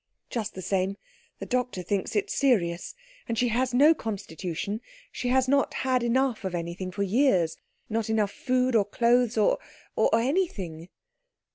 "Just the same. The doctor thinks it serious. And she has no constitution. She has not had enough of anything for years not enough food, or clothes, or or anything."